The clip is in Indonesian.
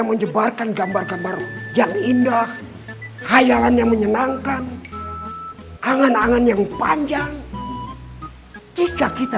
menyebarkan gambar gambar yang indah hayalan yang menyenangkan angan angan yang panjang jika kita